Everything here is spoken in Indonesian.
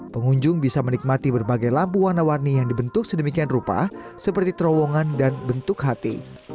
pengunjung bisa menikmati berbagai lampu warna warni yang dibentuk sedemikian rupa seperti terowongan dan bentuk hati